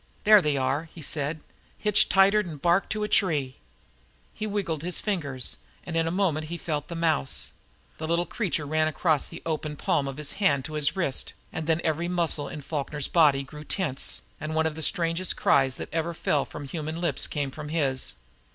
"There they are," he said, "hitched tighter 'n bark to a tree!" He wiggled his fingers, and in a moment he felt the mouse. The little creature ran across the opened palm of his hand to his wrist, and then every muscle in Falkner's body grew tense, and one of the strangest cries that ever fell from human lips came from his.